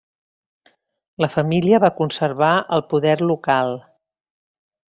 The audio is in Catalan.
La família va conservar el poder local.